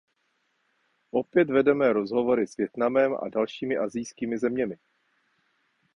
Opět vedeme rozhovory s Vietnamem a dalšími asijskými zeměmi.